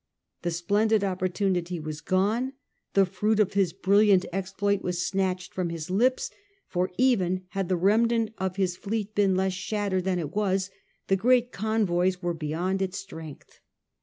The splendid opportunity was gone : the fruit of his brilliant exploit was snatched from his lips ; for even had the remnant of his fleet been less shattered than it was, the great convoys were beyond its strength.